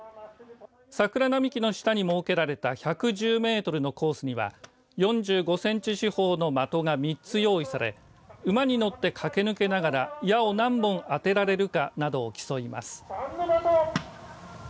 桜並木の下に設けられた１１０メートルのコースには４５センチ四方の的が３つ用意され馬に乗って駆け抜けながら矢を何本当てられるかなどを競います。